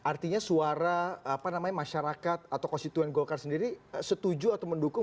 artinya suara masyarakat atau konstituen golkar sendiri setuju atau mendukung